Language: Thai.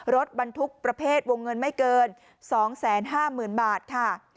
รถบรรทุกประเภทวงเงินไม่เกิน๒๕๐๐๐บาทค่ะ